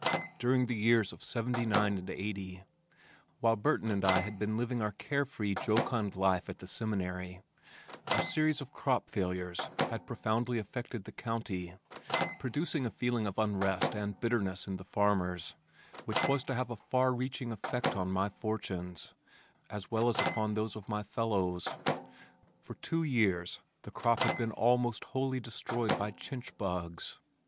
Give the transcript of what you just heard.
During the years '79 and '80, while Burton and I had been living our carefree jocund life at the Seminary, a series of crop failures had profoundly affected the county, producing a feeling of unrest and bitterness in the farmers which was to have a far reaching effect on my fortunes as well as upon those of my fellows. For two years the crop had been almost wholly destroyed by chinch bugs.